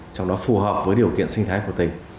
trong đó phù hợp với điều kiện sinh thái của tỉnh